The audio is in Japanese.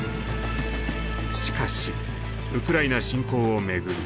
しかしウクライナ侵攻を巡り